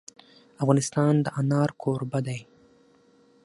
افغانستان د انار کوربه دی.